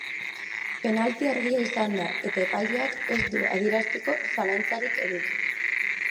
Penalti argia izan da eta epaileak ez du adierazteko zalantzarik eduki.